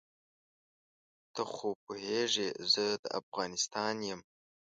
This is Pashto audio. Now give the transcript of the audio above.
ته خو پوهېږې زه د افغانستان یم.